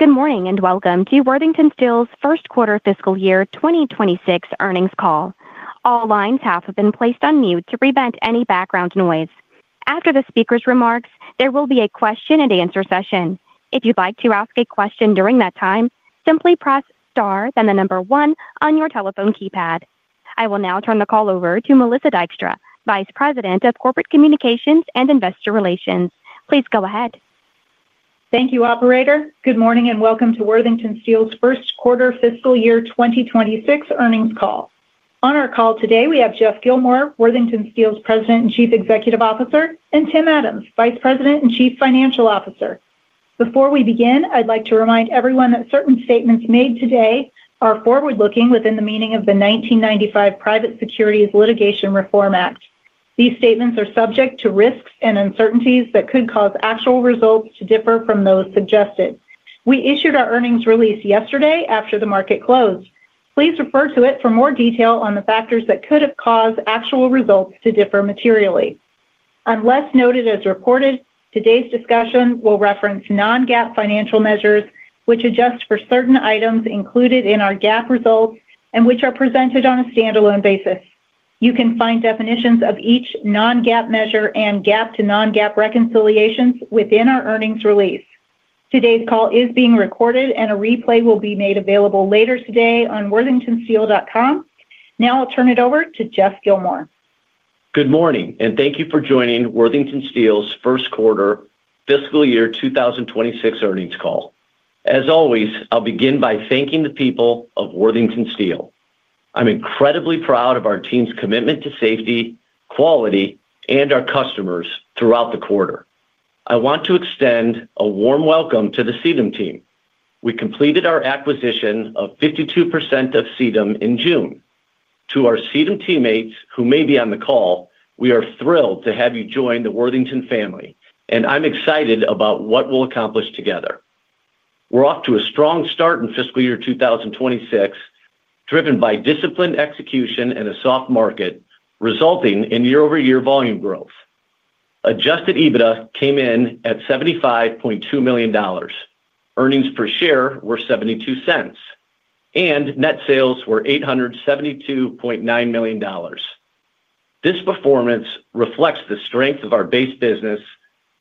Good morning and welcome to Worthington Steel's First Quarter Fiscal Year 2026 Earnings Call. All lines have been placed on mute to prevent any background noise. After the speaker's remarks, there will be a question-and-answer session. If you'd like to ask a question during that time, simply press star, then the number one on your telephone keypad. I will now turn the call over to Melissa Dykstra, Vice President of Corporate Communications and Investor Relations. Please go ahead. Thank you, operator. Good morning and welcome to Worthington Steel's First Quarter Fiscal Year 2026 Earnings Call. On our call today, we have Geoff Gilmore, Worthington Steel's President and Chief Executive Officer, and Tim Adams, Vice President and Chief Financial Officer. Before we begin, I'd like to remind everyone that certain statements made today are forward-looking within the meaning of the 1995 Private Securities Litigation Reform Act. These statements are subject to risks and uncertainties that could cause actual results to differ from those suggested. We issued our earnings release yesterday after the market closed. Please refer to it for more detail on the factors that could have caused actual results to differ materially. Unless noted as reported, today's discussion will reference non-GAAP financial measures, which adjust for certain items included in our GAAP results and which are presented on a standalone basis. You can find definitions of each non-GAAP measure and GAAP to non-GAAP reconciliations within our earnings release. Today's call is being recorded, and a replay will be made available later today on worthingtonsteel.com. Now I'll turn it over to Geoff Gilmore. Good morning and thank you for joining Worthington Steel's First Quarter Fiscal Year 2026 Earnings Call. As always, I'll begin by thanking the people of Worthington Steel. I'm incredibly proud of our team's commitment to safety, quality, and our customers throughout the quarter. I want to extend a warm welcome to the Sedum team. We completed our acquisition of 52% of Sedum in June. To our Sedum teammates who may be on the call, we are thrilled to have you join the Worthington family, and I'm excited about what we'll accomplish together. We're off to a strong start in fiscal year 2026, driven by disciplined execution and a soft market, resulting in year-over-year volume growth. Adjusted EBITDA came in at $75.2 million. Earnings per share were $0.72, and net sales were $872.9 million. This performance reflects the strength of our base business,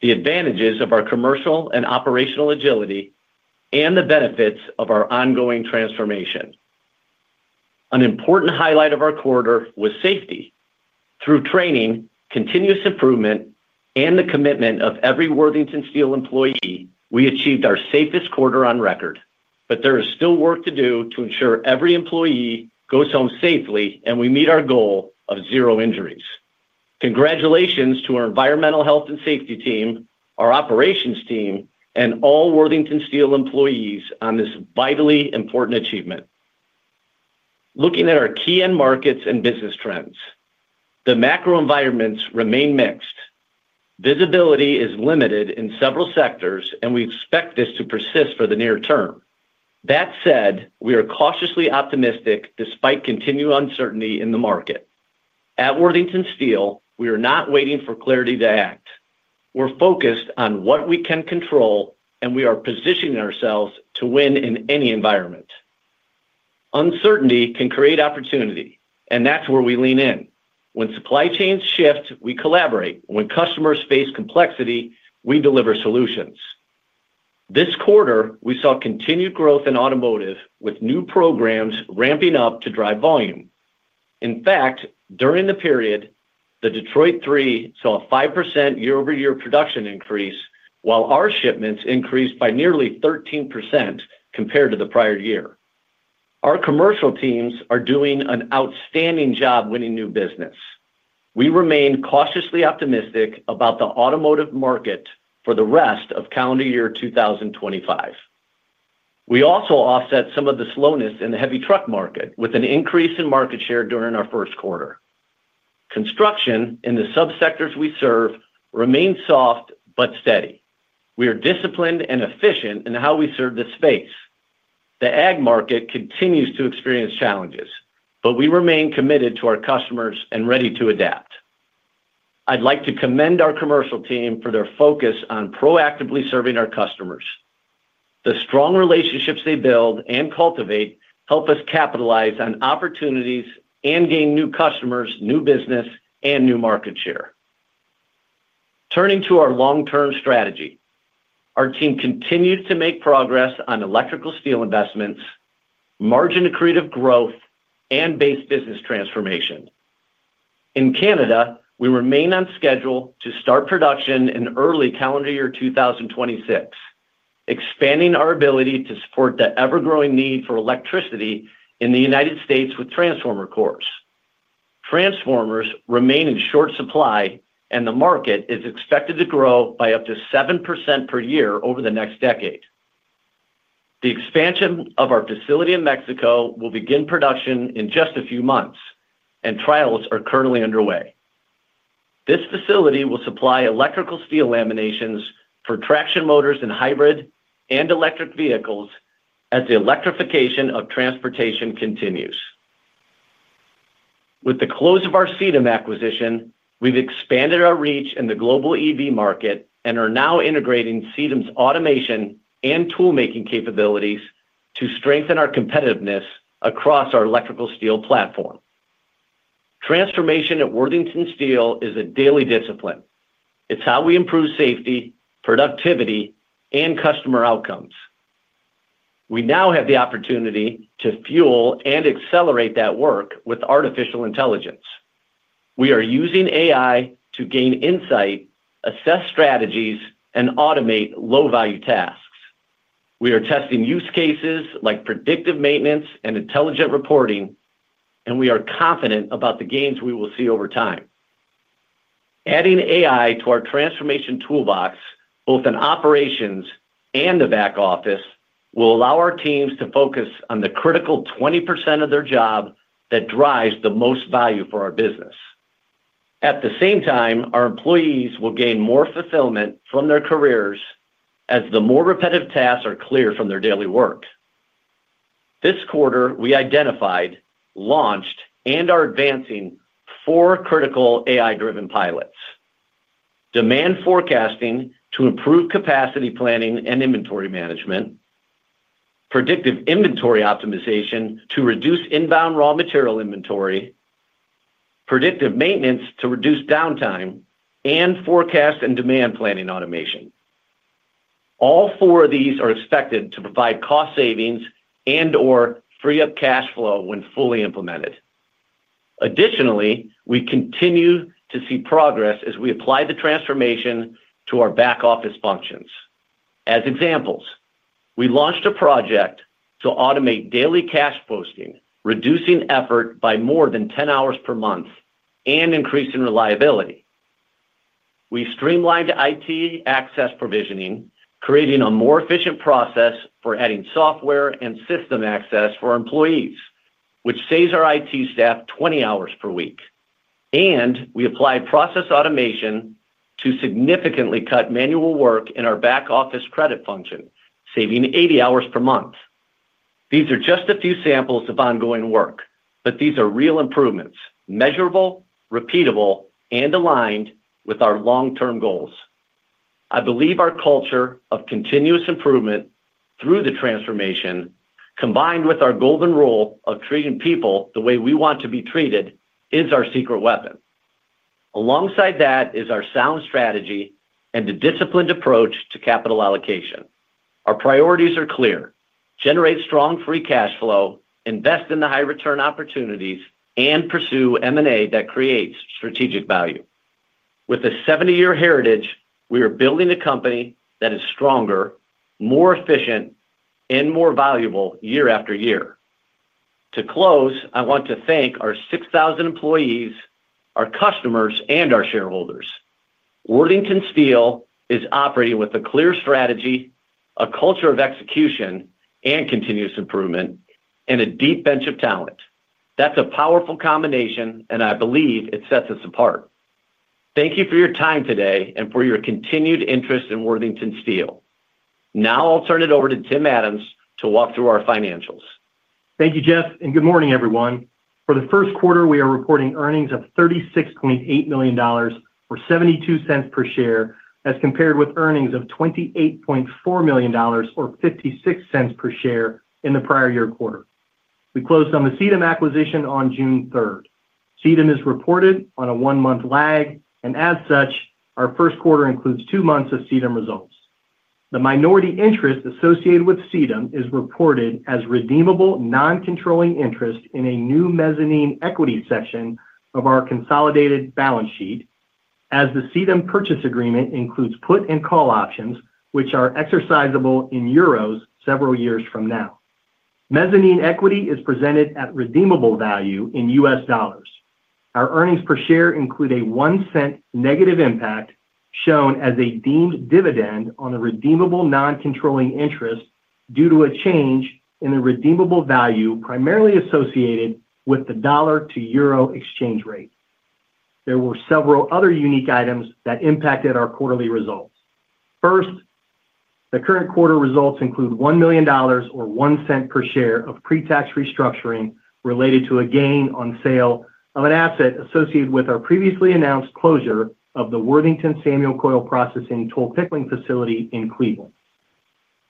the advantages of our commercial and operational agility, and the benefits of our ongoing transformation. An important highlight of our quarter was safety. Through training, continuous improvement, and the commitment of every Worthington Steel employee, we achieved our safest quarter on record. There is still work to do to ensure every employee goes home safely and we meet our goal of zero injuries. Congratulations to our Environmental Health and Safety team, our Operations team, and all Worthington Steel employees on this vitally important achievement. Looking at our key end markets and business trends, the macro environments remain mixed. Visibility is limited in several sectors, and we expect this to persist for the near term. That said, we are cautiously optimistic despite continued uncertainty in the market. At Worthington Steel, we are not waiting for clarity to act. We're focused on what we can control, and we are positioning ourselves to win in any environment. Uncertainty can create opportunity, and that's where we lean in. When supply chains shift, we collaborate. When customers face complexity, we deliver solutions. This quarter, we saw continued growth in automotive, with new programs ramping up to drive volume. In fact, during the period, the Detroit 3 OEMs saw a 5% year-over-year production increase, while our shipments increased by nearly 13% compared to the prior year. Our commercial teams are doing an outstanding job winning new business. We remain cautiously optimistic about the automotive market for the rest of calendar year 2025. We also offset some of the slowness in the heavy truck market with an increase in market share during our first quarter. Construction in the subsectors we serve remains soft but steady. We are disciplined and efficient in how we serve this space. The ag market continues to experience challenges, but we remain committed to our customers and ready to adapt. I'd like to commend our commercial team for their focus on proactively serving our customers. The strong relationships they build and cultivate help us capitalize on opportunities and gain new customers, new business, and new market share. Turning to our long-term strategy, our team continues to make progress on electrical steel investments, margin accretive growth, and base business transformation. In Canada, we remain on schedule to start production in early calendar year 2026, expanding our ability to support the ever-growing need for electricity in the United States with transformer cores. Transformers remain in short supply, and the market is expected to grow by up to 7% per year over the next decade. The expansion of our facility in Mexico will begin production in just a few months, and trials are currently underway. This facility will supply electrical steel laminations for traction motors in hybrid and electric vehicles as the electrification of transportation continues. With the close of our Sedum acquisition, we've expanded our reach in the global EV market and are now integrating Sedum's automation and tool-making capabilities to strengthen our competitiveness across our electrical steel platform. Transformation at Worthington Steel is a daily discipline. It's how we improve safety, productivity, and customer outcomes. We now have the opportunity to fuel and accelerate that work with artificial intelligence. We are using AI to gain insight, assess strategies, and automate low-value tasks. We are testing use cases like predictive maintenance and intelligent reporting, and we are confident about the gains we will see over time. Adding AI to our transformation toolbox, both in operations and the back office, will allow our teams to focus on the critical 20% of their job that drives the most value for our business. At the same time, our employees will gain more fulfillment from their careers as the more repetitive tasks are clear from their daily work. This quarter, we identified, launched, and are advancing four critical AI-driven pilots: demand forecasting to improve capacity planning and inventory management, predictive inventory optimization to reduce inbound raw material inventory, predictive maintenance to reduce downtime, and forecast and demand planning automation. All four of these are expected to provide cost savings and/or free up cash flow when fully implemented. Additionally, we continue to see progress as we apply the transformation to our back office functions. As examples, we launched a project to automate daily cash posting, reducing effort by more than 10 hours per month and increasing reliability. We streamlined IT access provisioning, creating a more efficient process for adding software and system access for employees, which saves our IT staff 20 hours per week. We applied process automation to significantly cut manual work in our back office credit function, saving 80 hours per month. These are just a few samples of ongoing work, but these are real improvements, measurable, repeatable, and aligned with our long-term goals. I believe our culture of continuous improvement through the transformation, combined with our golden rule of treating people the way we want to be treated, is our secret weapon. Alongside that is our sound strategy and a disciplined approach to capital allocation. Our priorities are clear: generate strong free cash flow, invest in the high return opportunities, and pursue M&A that creates strategic value. With a 70-year heritage, we are building a company that is stronger, more efficient, and more valuable year after year. To close, I want to thank our 6,000 employees, our customers, and our shareholders. Worthington Steel is operating with a clear strategy, a culture of execution and continuous improvement, and a deep bench of talent. That's a powerful combination, and I believe it sets us apart. Thank you for your time today and for your continued interest in Worthington Steel. Now I'll turn it over to Tim Adams to walk through our financials. Thank you, Geoff, and good morning, everyone. For the first quarter, we are reporting earnings of $36.8 million or $0.72 per share, as compared with earnings of $28.4 million or $0.56 per share in the prior year quarter. We closed on the Sedum acquisition on June 3rd. Sedum is reported on a one-month lag, and as such, our first quarter includes two months of Sedum results. The minority interest associated with Sedum is reported as redeemable non-controlling interest in a new mezzanine equity section of our consolidated balance sheet, as the Sedum purchase agreement includes put and call options, which are exercisable in euros several years from now. Mezzanine equity is presented at redeemable value in U.S. dollars. Our earnings per share include a $0.01 negative impact shown as a deemed dividend on a redeemable non-controlling interest due to a change in the redeemable value primarily associated with the dollar-to-euro exchange rate. There were several other unique items that impacted our quarterly results. First, the current quarter results include $1 million or $0.01 per share of pre-tax restructuring related to a gain on sale of an asset associated with our previously announced closure of the Worthington Samuel Coil Processing Toll Pickling facility in Cleveland.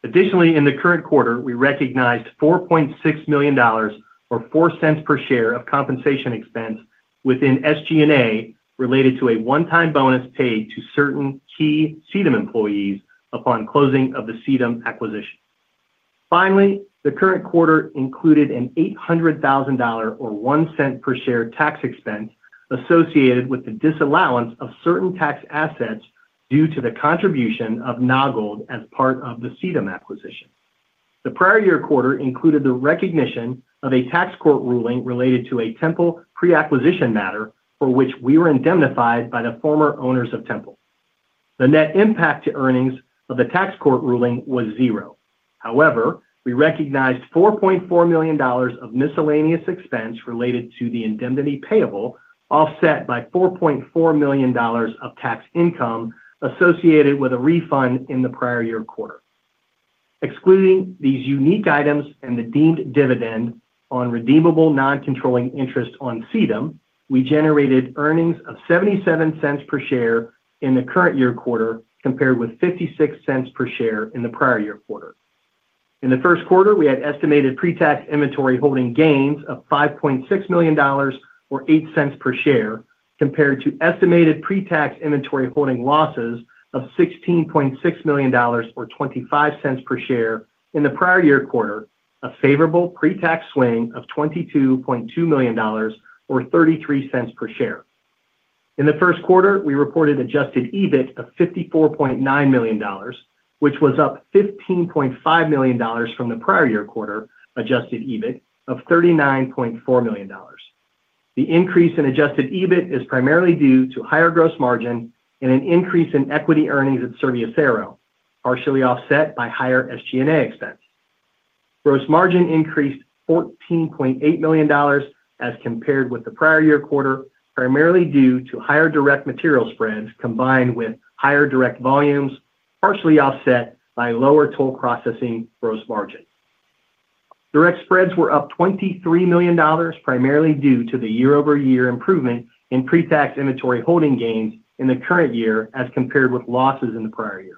Additionally, in the current quarter, we recognized $4.6 million or $0.04 per share of compensation expense within SG&A related to a one-time bonus paid to certain key Sedum employees upon closing of the Sedum acquisition. Finally, the current quarter included an $800,000 or $0.01 per share tax expense associated with the disallowance of certain tax assets due to the contribution of NOG Gold as part of the Sedum acquisition. The prior year quarter included the recognition of a tax court ruling related to a Temple pre-acquisition matter for which we were indemnified by the former owners of Temple. The net impact to earnings of the tax court ruling was zero. However, we recognized $4.4 million of miscellaneous expense related to the indemnity payable offset by $4.4 million of tax income associated with a refund in the prior year quarter. Excluding these unique items and the deemed dividend on redeemable non-controlling interest on Sedum, we generated earnings of $0.77 per share in the current year quarter compared with $0.56 per share in the prior year quarter. In the first quarter, we had estimated pre-tax inventory holding gains of $5.6 million or $0.08 per share compared to estimated pre-tax inventory holding losses of $16.6 million or $0.25 per share in the prior year quarter, a favorable pre-tax swing of $22.2 million or $0.33 per share. In the first quarter, we reported adjusted EBIT of $54.9 million, which was up $15.5 million from the prior year quarter adjusted EBIT of $39.4 million. The increase in adjusted EBIT is primarily due to higher gross margin and an increase in equity earnings at Serbia Ferro, partially offset by higher SG&A expense. Gross margin increased $14.8 million as compared with the prior year quarter, primarily due to higher direct material spreads combined with higher direct volumes, partially offset by lower toll processing gross margin. Direct spreads were up $23 million, primarily due to the year-over-year improvement in pre-tax inventory holding gains in the current year as compared with losses in the prior year.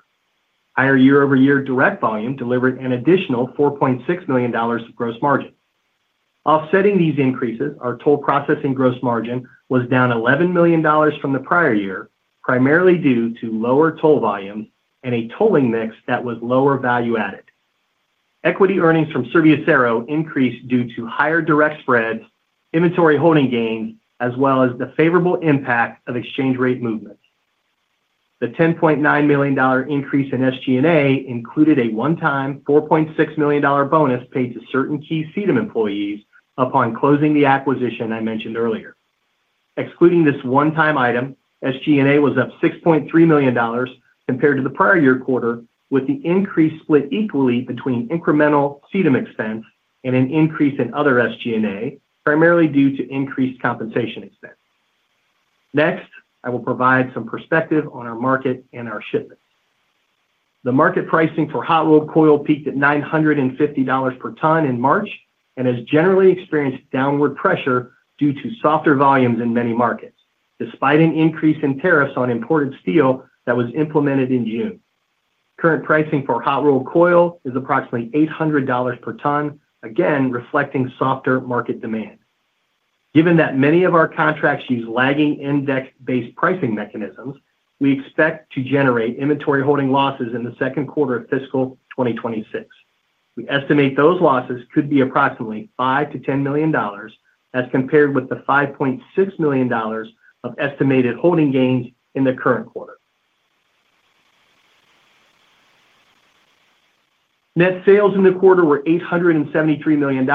Higher year-over-year direct volume delivered an additional $4.6 million of gross margin. Offsetting these increases, our toll processing gross margin was down $11 million from the prior year, primarily due to lower toll volume and a tolling mix that was lower value added. Equity earnings from Serbia Ferro increased due to higher direct spreads, inventory holding gains, as well as the favorable impact of exchange rate movement. The $10.9 million increase in SG&A included a one-time $4.6 million bonus paid to certain key Sedum employees upon closing the acquisition I mentioned earlier. Excluding this one-time item, SG&A was up $6.3 million compared to the prior year quarter, with the increase split equally between incremental Sedum expense and an increase in other SG&A, primarily due to increased compensation expense. Next, I will provide some perspective on our market and our shipment. The market pricing for hot rolled coil peaked at $950 per ton in March and has generally experienced downward pressure due to softer volumes in many markets, despite an increase in tariffs on imported steel that was implemented in June. Current pricing for hot rolled coil is approximately $800 per ton, again reflecting softer market demand. Given that many of our contracts use lagging index-based pricing mechanisms, we expect to generate inventory holding losses in the second quarter of fiscal 2026. We estimate those losses could be approximately $5 million-$10 million as compared with the $5.6 million of estimated holding gains in the current quarter. Net sales in the quarter were $873 million,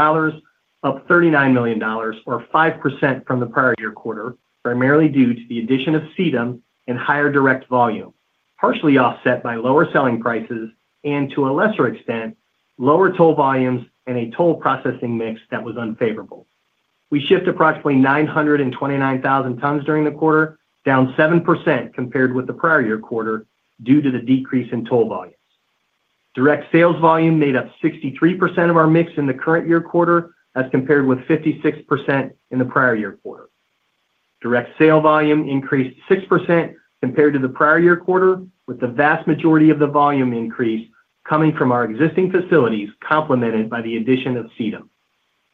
up $39 million, or 5% from the prior year quarter, primarily due to the addition of Sedum and higher direct volume, partially offset by lower selling prices and, to a lesser extent, lower toll volumes and a toll processing mix that was unfavorable. We shipped approximately 929,000 tons during the quarter, down 7% compared with the prior year quarter due to the decrease in toll volume. Direct sales volume made up 63% of our mix in the current year quarter as compared with 56% in the prior year quarter. Direct sales volume increased 6% compared to the prior year quarter, with the vast majority of the volume increase coming from our existing facilities complemented by the addition of Sedum.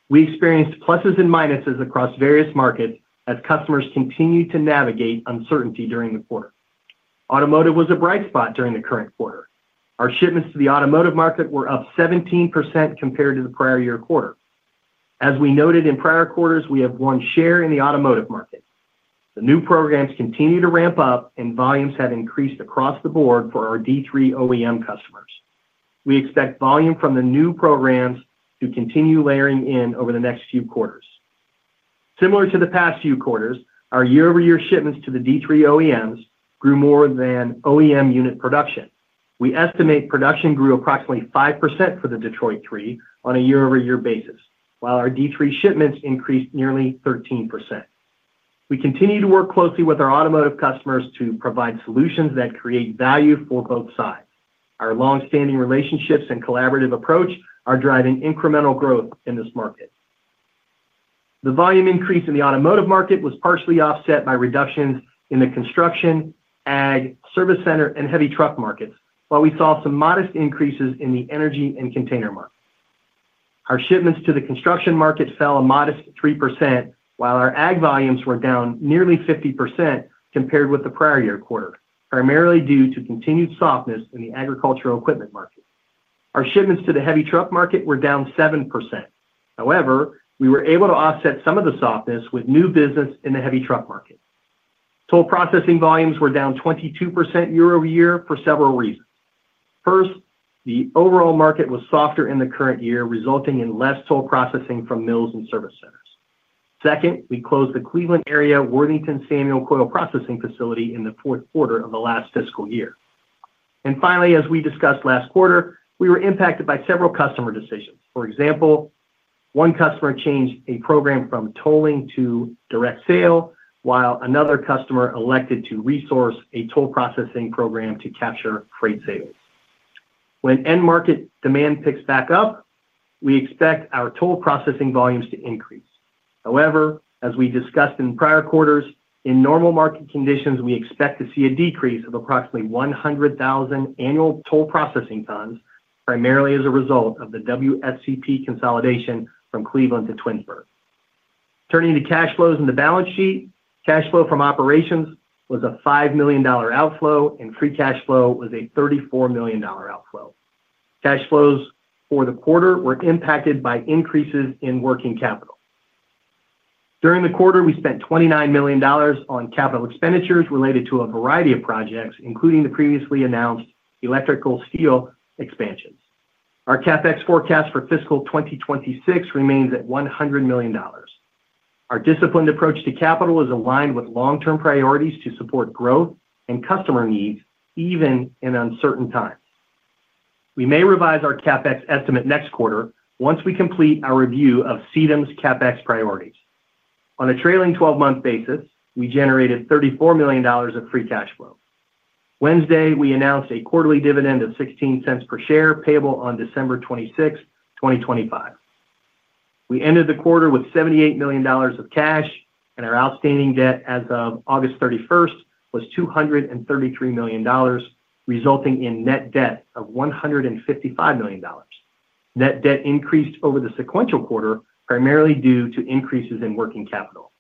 We experienced pluses and minuses across various markets as customers continued to navigate uncertainty during the quarter. Automotive was a bright spot during the current quarter. Our shipments to the automotive market were up 17% compared to the prior year quarter. As we noted in prior quarters, we have won share in the automotive market. The new programs continue to ramp up, and volumes have increased across the board for our D3 OEM customers. We expect volume from the new programs to continue layering in over the next few quarters. Similar to the past few quarters, our year-over-year shipments to the D3 OEMs grew more than OEM unit production. We estimate production grew approximately 5% for the Detroit 3 on a year-over-year basis, while our D3 shipments increased nearly 13%. We continue to work closely with our automotive customers to provide solutions that create value for both sides. Our longstanding relationships and collaborative approach are driving incremental growth in this market. The volume increase in the automotive market was partially offset by reductions in the construction, ag, service center, and heavy truck markets, while we saw some modest increases in the energy and container market. Our shipments to the construction market fell a modest 3%, while our ag volumes were down nearly 50% compared with the prior year quarter, primarily due to continued softness in the agricultural equipment market. Our shipments to the heavy truck market were down 7%. However, we were able to offset some of the softness with new business in the heavy truck market. Toll processing volumes were down 22% year-over-year for several reasons. First, the overall market was softer in the current year, resulting in less toll processing from mills and service centers. Second, we closed the Cleveland area Worthington Samuel Coil Processing facility in the fourth quarter of the last fiscal year. Finally, as we discussed last quarter, we were impacted by several customer decisions. For example, one customer changed a program from tolling to direct sale, while another customer elected to resource a toll processing program to capture freight sales. When end market demand picks back up, we expect our toll processing volumes to increase. As we discussed in prior quarters, in normal market conditions, we expect to see a decrease of approximately 100,000 annual toll processing tons, primarily as a result of the WSCP consolidation from Cleveland to Twinsburg. Turning to cash flows and the balance sheet, cash flow from operations was a $5 million outflow, and free cash flow was a $34 million outflow. Cash flows for the quarter were impacted by increases in working capital. During the quarter, we spent $29 million on capital expenditures related to a variety of projects, including the previously announced electrical steel expansions. Our CapEx forecast for fiscal 2026 remains at $100 million. Our disciplined approach to capital is aligned with long-term priorities to support growth and customer needs, even in uncertain times. We may revise our CapEx estimate next quarter once we complete our review of Sedum's CapEx priorities. On a trailing 12-month basis, we generated $34 million of free cash flow. Wednesday, we announced a quarterly dividend of $0.16 per share payable on December 26th, 2025. We ended the quarter with $78 million of cash, and our outstanding debt as of August 31st was $233 million, resulting in net debt of $155 million. Net debt increased over the sequential quarter, primarily due to increases in working capital.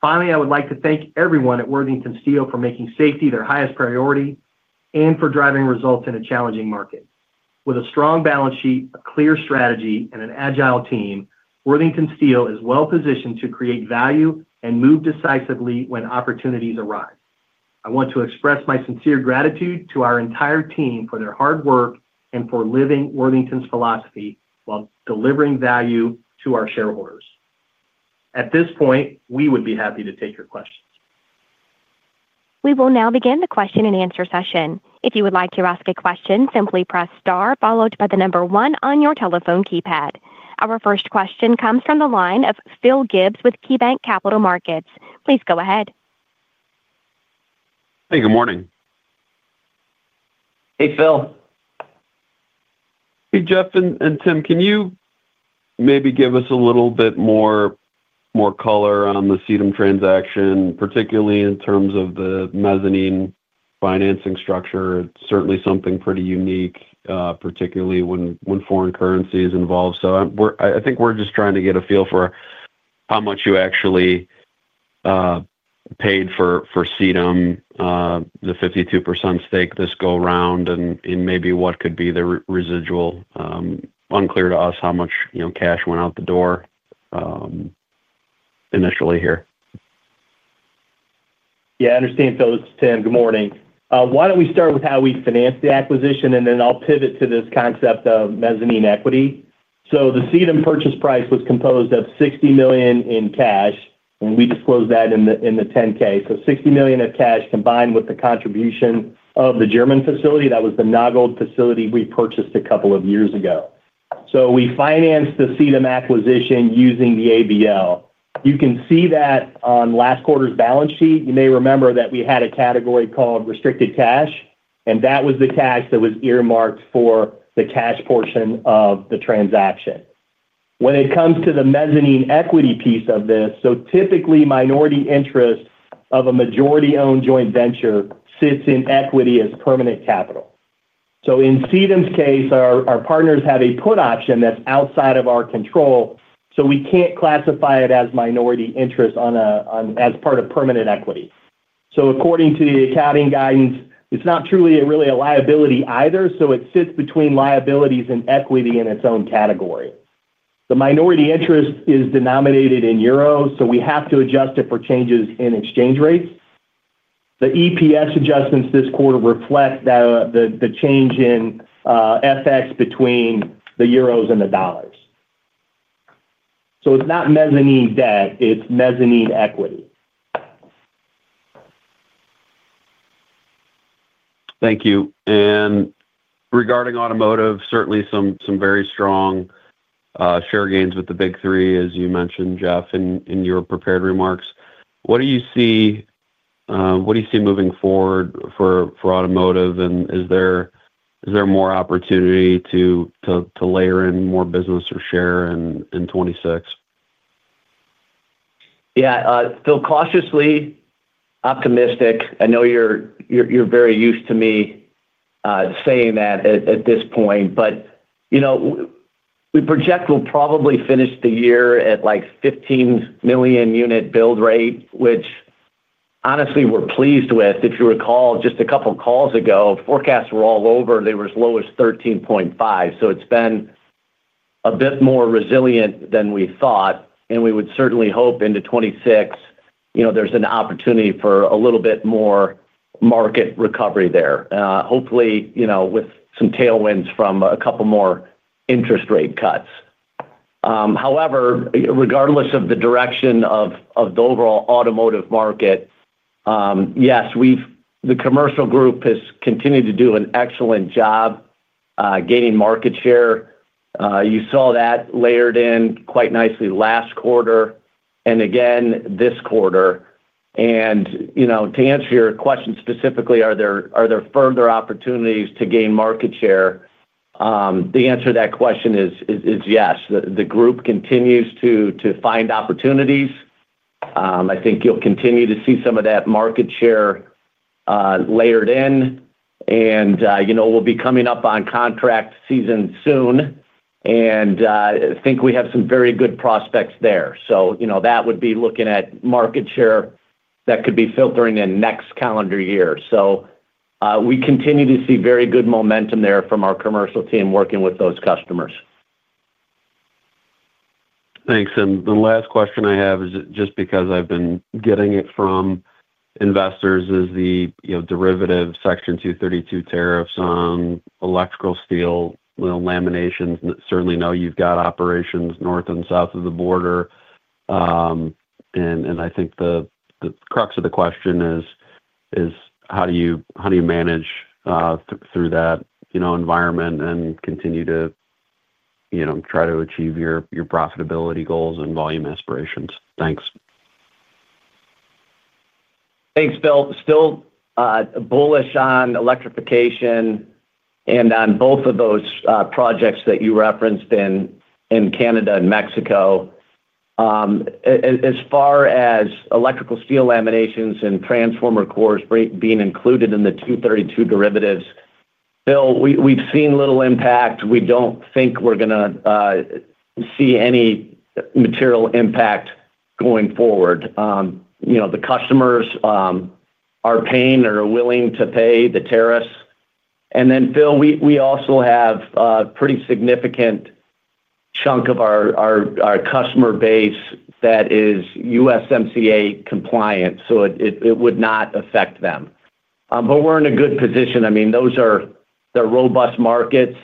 Finally, I would like to thank everyone at Worthington Steel for making safety their highest priority and for driving results in a challenging market. With a strong balance sheet, a clear strategy, and an agile team, Worthington Steel is well positioned to create value and move decisively when opportunities arise. I want to express my sincere gratitude to our entire team for their hard work and for living Worthington Steel's philosophy while delivering value to our shareholders. At this point, we would be happy to take your questions. We will now begin the question-and-answer session. If you would like to ask a question, simply press star followed by the number one on your telephone keypad. Our first question comes from the line of Phil Gibbs with KeyBanc Capital Markets. Please go ahead. Hey, good morning. Hey, Phil. Hey, Geoff and Tim, can you maybe give us a little bit more color on the Sedum transaction, particularly in terms of the mezzanine financing structure? It's certainly something pretty unique, particularly when foreign currency is involved. I think we're just trying to get a feel for how much you actually paid for Sedum, the 52% stake this go-round, and maybe what could be the residual. Unclear to us how much cash went out the door initially here. Yeah, I understand, Phil. It's Tim. Good morning. Why don't we start with how we financed the acquisition, and then I'll pivot to this concept of mezzanine equity. The Sedum purchase price was composed of $60 million in cash, and we disclosed that in the 10-K. $60 million of cash combined with the contribution of the German facility that was the NOG Gold facility we purchased a couple of years ago. We financed the Sedum acquisition using the ABL. You can see that on last quarter's balance sheet. You may remember that we had a category called restricted cash, and that was the cash that was earmarked for the cash portion of the transaction. When it comes to the mezzanine equity piece of this, typically minority interest of a majority-owned joint venture sits in equity as permanent capital. In Sedum's case, our partners have a put option that's outside of our control, so we can't classify it as minority interest as part of permanent equity. According to the accounting guidance, it's not truly really a liability either, so it sits between liabilities and equity in its own category. The minority interest is denominated in euros, so we have to adjust it for changes in exchange rates. The EPS adjustments this quarter reflect the change in FX between the euros and the dollars. It's not mezzanine debt. It's mezzanine equity. Thank you. Regarding automotive, certainly some very strong share gains with the Big 3, as you mentioned, Geoff, in your prepared remarks. What do you see moving forward for automotive, and is there more opportunity to layer in more business or share in 2026? Yeah, Phil, cautiously optimistic. I know you're very used to me saying that at this point, but you know we project we'll probably finish the year at $15 million unit build rate, which honestly we're pleased with. If you recall just a couple of calls ago, forecasts were all over. They were as low as $13.5 million. It's been a bit more resilient than we thought, and we would certainly hope into 2026, you know there's an opportunity for a little bit more market recovery there, hopefully with some tailwinds from a couple more interest rate cuts. However, regardless of the direction of the overall automotive market, yes, the commercial group has continued to do an excellent job gaining market share. You saw that layered in quite nicely last quarter and again this quarter. To answer your question specifically, are there further opportunities to gain market share? The answer to that question is yes. The group continues to find opportunities. I think you'll continue to see some of that market share layered in, and we'll be coming up on contract season soon, and I think we have some very good prospects there. That would be looking at market share that could be filtering the next calendar year. We continue to see very good momentum there from our commercial team working with those customers. Thanks. The last question I have is just because I've been getting it from investors, is the derivative Section 232 tariffs on electrical steel laminations. Certainly, you've got operations north and south of the border. I think the crux of the question is, how do you manage through that environment and continue to try to achieve your profitability goals and volume aspirations? Thanks. Thanks, Phil. Still bullish on electrification and on both of those projects that you referenced in Canada and Mexico. As far as electrical steel laminations and transformer cores being included in the Section 232 derivatives, Phil, we've seen little impact. We don't think we're going to see any material impact going forward. You know the customers are paying or willing to pay the tariffs. Phil, we also have a pretty significant chunk of our customer base that is USMCA compliant, so it would not affect them. We're in a good position. Those are robust markets.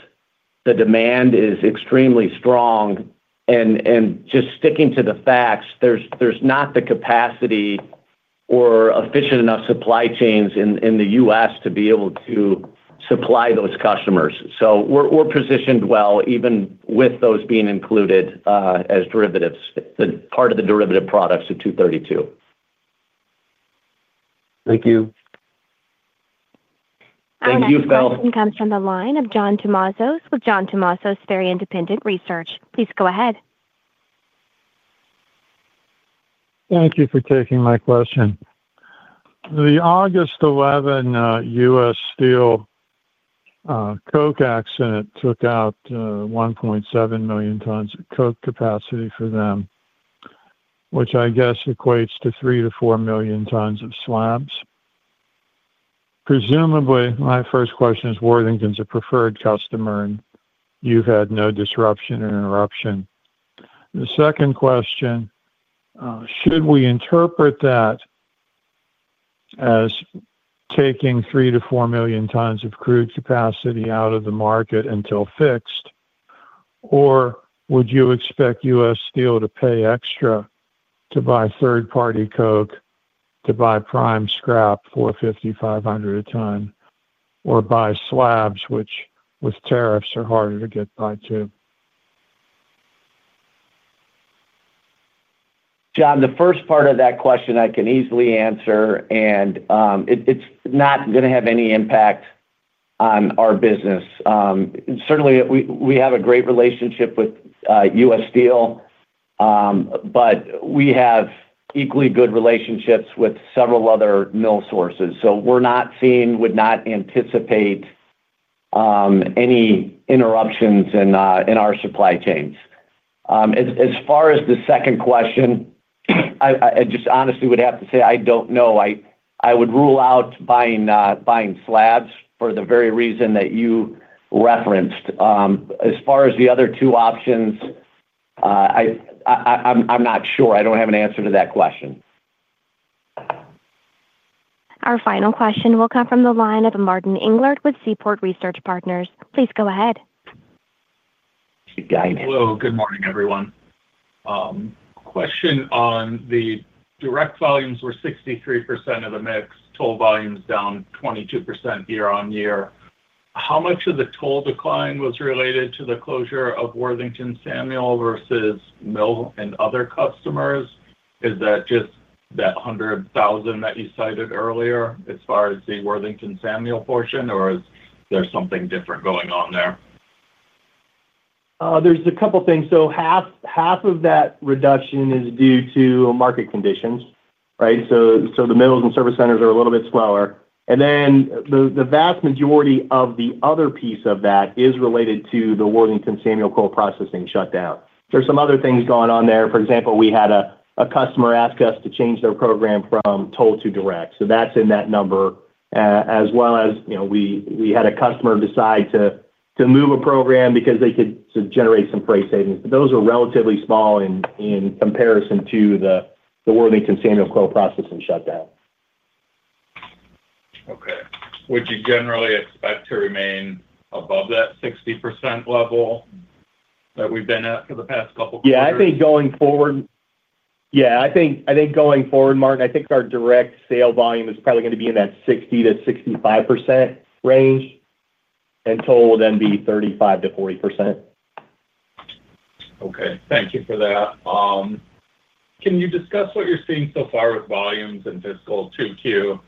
The demand is extremely strong. Just sticking to the facts, there's not the capacity or efficient enough supply chains in the U.S. to be able to supply those customers. We're positioned well, even with those being included as part of the derivative products of 232. Thank you. Thank you. A question comes from the line of John Tumazos with John Tumazos Very Independent Research. Please go ahead. Thank you for taking my question. The August 11 U.S. Steel Coke accident took out 1.7 million tons of Coke capacity for them, which I guess equates to 3 million-4 million tons of slabs. Presumably, my first question is Worthington's a preferred customer, and you've had no disruption or interruption. The second question, should we interpret that as taking 3 million-4 million tons of crude capacity out of the market until fixed, or would you expect U.S. Steel to pay extra to buy third-party Coke, to buy prime scrap for $5,500 a ton, or buy slabs, which with tariffs are harder to get by to? John, the first part of that question I can easily answer, and it's not going to have any impact on our business. Certainly, we have a great relationship with U.S. Steel, but we have equally good relationships with several other mill sources. We're not seeing, would not anticipate any interruptions in our supply chains. As far as the second question, I just honestly would have to say I don't know. I would rule out buying slabs for the very reason that you referenced. As far as the other two options, I'm not sure. I don't have an answer to that question. Our final question will come from the line of Martin Englert with Seaport Research Partners. Please go ahead. Hello. Good morning, everyone. Question on the direct volumes were 63% of the mix, toll volumes down 22% year-on-year. How much of the toll decline was related to the closure of Worthington Samuel versus mill and other customers? Is that just that 100,000 that you cited earlier as far as the Worthington Samuel portion, or is there something different going on there? There are a couple of things. Half of that reduction is due to market conditions, right? The mills and service centers are a little bit slower. The vast majority of the other piece of that is related to the Worthington Samuel coil processing shutdown. There are some other things going on there. For example, we had a customer ask us to change their program from toll to direct, so that's in that number. We also had a customer decide to move a program because they could generate some price savings. Those are relatively small in comparison to the Worthington Samuel coil processing shutdown. Okay. Would you generally expect to remain above that 60% level that we've been at for the past couple of years? I think going forward, Martin, I think our direct sale volume is probably going to be in that 60%-65% range, and toll will then be 35%-40%. Okay. Thank you for that. Can you discuss what you're seeing so far with volumes in fiscal 2Q,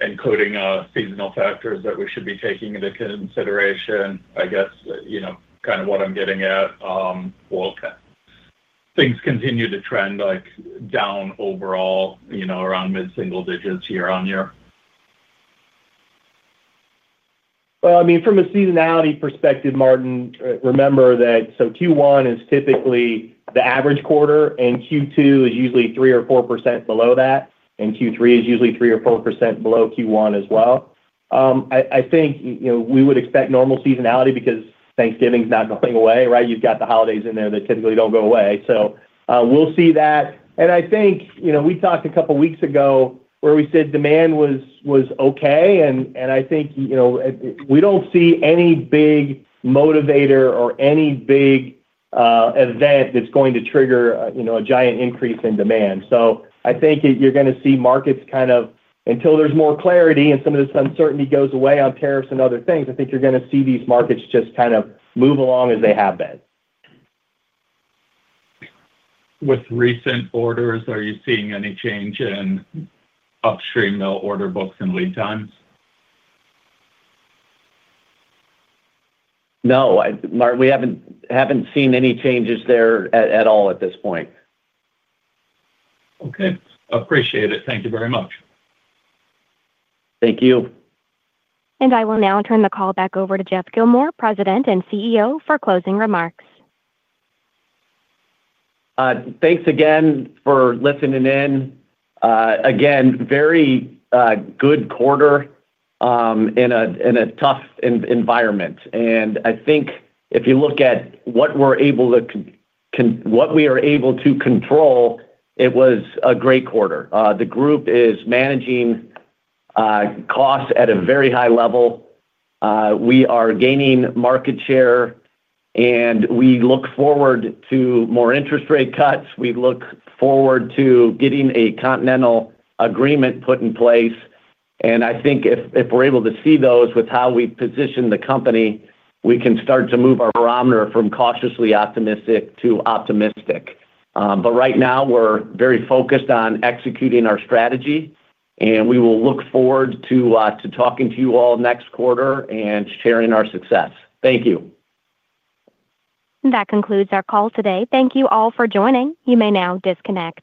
including seasonal factors that we should be taking into consideration? I guess what I'm getting at, will things continue to trend like down overall, you know, around mid-single digits year-on-year? From a seasonality perspective, Martin, remember that Q1 is typically the average quarter, and Q2 is usually 3% or 4% below that, and Q3 is usually 3% or 4% below Q1 as well. I think we would expect normal seasonality because Thanksgiving is not going away, right? You've got the holidays in there that typically don't go away. We'll see that. I think we talked a couple of weeks ago where we said demand was okay. I think we don't see any big motivator or any big event that's going to trigger a giant increase in demand. I think you're going to see markets, until there's more clarity and some of this uncertainty goes away on tariffs and other things, just kind of move along as they have been. With recent orders, are you seeing any change in upstream mill order books and lead times? No, Martin, we haven't seen any changes there at all at this point. Okay. Appreciate it. Thank you very much. Thank you. I will now turn the call back over to Geoff Gilmore, President and CEO, for closing remarks. Thanks again for listening in. Again, very good quarter in a tough environment. I think if you look at what we're able to control, it was a great quarter. The group is managing costs at a very high level. We are gaining market share, and we look forward to more interest rate cuts. We look forward to getting a continental agreement put in place. I think if we're able to see those with how we position the company, we can start to move our barometer from cautiously optimistic to optimistic. Right now, we're very focused on executing our strategy, and we will look forward to talking to you all next quarter and sharing our success. Thank you. That concludes our call today. Thank you all for joining. You may now disconnect.